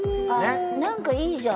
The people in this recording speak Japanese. なんかいいじゃん。